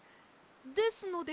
ですので。